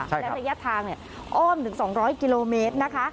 และระยะทางอ้อมถึง๒๐๐กิโลเมตรนะคะ